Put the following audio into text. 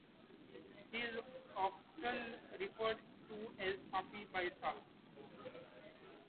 He is often referred to as Papi by Sal.